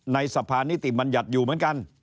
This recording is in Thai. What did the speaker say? ในสภานิติบัญญัติอยู่เหมือนกัน